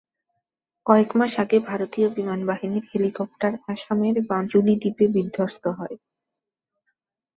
কয়েক মাস আগে ভারতীয় বিমানবাহিনীর হেলিকপ্টার আসামের মাজুলি দ্বীপে বিধ্বস্ত হয়।